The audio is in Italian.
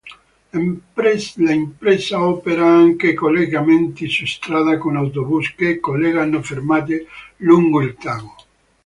L'impresa opera anche collegamenti su strada con autobus che collegano fermate lungo il Tago.